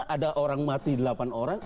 ada orang mati delapan orang